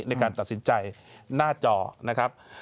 ในการตัดสินใจหน้าจอนะครับ